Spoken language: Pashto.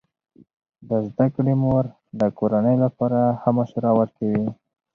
د زده کړې مور د کورنۍ لپاره ښه مشوره ورکوي.